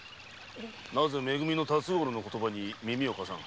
なぜ辰五郎の言葉に耳を貸さぬ？